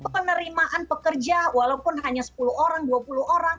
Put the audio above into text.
penerimaan pekerja walaupun hanya sepuluh orang dua puluh orang